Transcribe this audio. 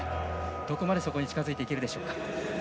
どこまでそこに近づいていけるでしょうか。